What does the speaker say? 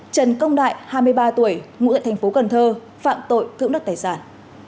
trần công đại hai mươi ba tuổi ngụ tại tp cần thơ phạm tội cưỡng đất tài sản